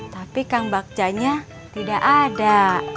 tapi kang bagjanya tidak ada